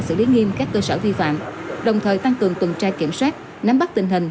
xử lý nghiêm các cơ sở vi phạm đồng thời tăng cường tuần tra kiểm soát nắm bắt tình hình